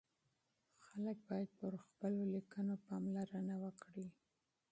خلک بايد په خپلو ليکنو کې غور وکړي.